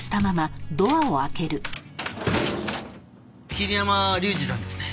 桐山竜二さんですね？